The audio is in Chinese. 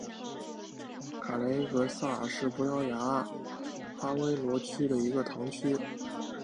卡雷戈萨是葡萄牙阿威罗区的一个堂区。